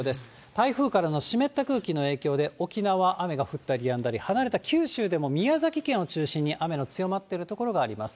台風からの湿った空気の影響で、沖縄、雨が降ったりやんだり、離れた九州でも宮崎県を中心に雨の強まっている所があります。